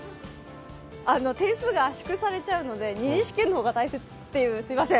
点数が圧縮されちゃうので二次試験の方が大切っていうすいません